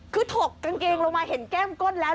คือถกกางเกงลงมาเห็นแก้มก้นแล้ว